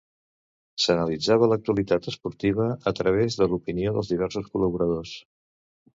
S'analitzava l'actualitat esportiva a través de l'opinió dels diversos col·laboradors.